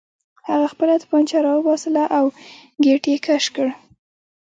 هغه خپله توپانچه راوباسله او ګېټ یې کش کړ